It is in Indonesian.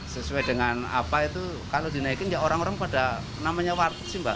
sesuai dengan apa itu kalau dinaikin ya orang orang pada namanya warteg sih mbak